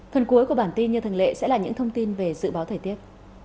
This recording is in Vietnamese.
phần cuối của bản tin như thường lệ sẽ là những thông tin về dự báo thời tiết